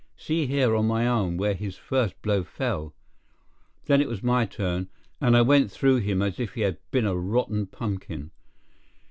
See here, on my arm, where his first blow fell. Then it was my turn, and I went through him as if he had been a rotten pumpkin.